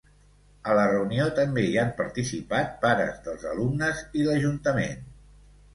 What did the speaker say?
A la reunió també hi han participat pares dels alumnes i l’ajuntament.